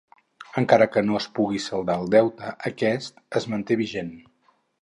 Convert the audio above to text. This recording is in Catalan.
Encara que no es pugui saldar el deute, aquest es manté vigent.